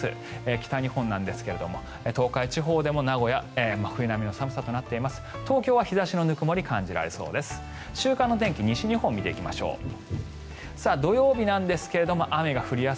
北日本なんですが東海地方でも名古屋真冬並みの寒さとなっています。